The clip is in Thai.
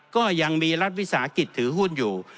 ก็ยังมีรัฐวิสาหกิจถือหุ้นอยู่